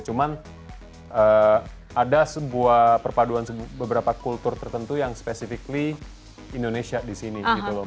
cuman ada sebuah perpaduan beberapa kultur tertentu yang spesifikly indonesia di sini gitu loh